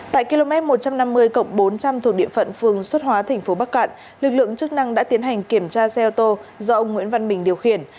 tại km một trăm năm mươi bốn trăm linh thuộc địa phận phường xuất hóa tp bắc cạn lực lượng chức năng đã tiến hành kiểm tra xe ô tô do ông nguyễn văn bình điều khiển